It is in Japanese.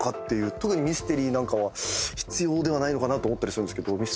特にミステリーなんかは必要ではないのかなと思ったりするんですけど。